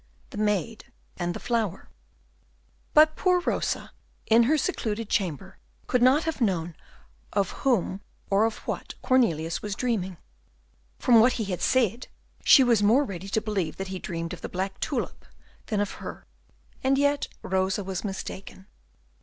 The Maid and the Flower But poor Rosa, in her secluded chamber, could not have known of whom or of what Cornelius was dreaming. From what he had said she was more ready to believe that he dreamed of the black tulip than of her; and yet Rosa was mistaken.